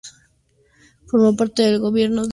Formó parte del gobierno de Travancore.